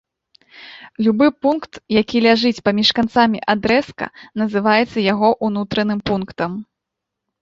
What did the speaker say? Любы пункт, які ляжыць паміж канцамі адрэзка, называецца яго ўнутраным пунктам.